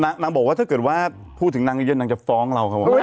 นางบอกว่าถ้าเกิดว่าพูดถึงนางเยอะนางจะฟ้องเราครับ